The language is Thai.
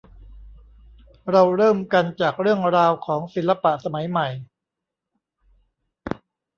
เราเริ่มกันจากเรื่องราวของศิลปะสมัยใหม่